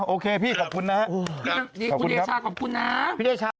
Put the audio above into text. โอเคพี่ขอบคุณนะครับขอบคุณครับพี่เฮชาขอบคุณนะ